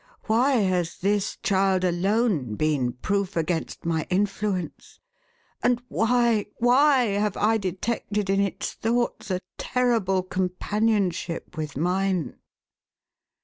Why has this child alone been proof against my influence, and why, why, have I detected in its thoughts a terrible companionship with mine